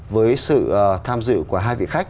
với sự tham dự của hai vị khách